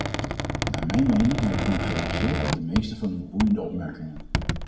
Naar mijn mening heb ik nu gereageerd op de meeste van uw boeiende opmerkingen.